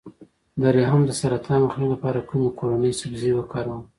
د رحم د سرطان مخنیوي لپاره د کومې کورنۍ سبزي وکاروم؟